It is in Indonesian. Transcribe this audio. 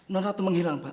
non ratu menghilang pak